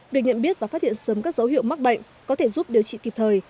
việc nhận biết và phát hiện sớm các dấu hiệu mắc bệnh có thể giúp điều trị kịp thời